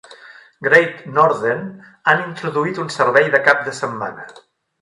Great Northern han introduït un servei de cap de setmana.